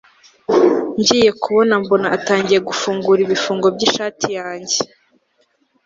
ngiye kubona mbona atangiye gufungura ibifungo byishati yanjye